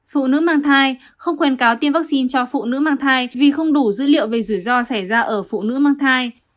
phụ nữ mang thai không khuyên cáo tiêm vaccine cho phụ nữ mang thai vì không đủ dữ liệu về rủi ro xảy ra ở phụ nữ mang thai